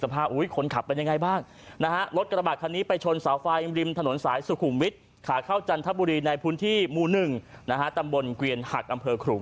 รถกระบาดคันนี้ไปชนสาวฟ้ายิมริมถนนสายสุขุมวิทขาเข้าจันทบุรีในพื้นที่มู๑ตำบลเกวียนหัดอำเภอขุม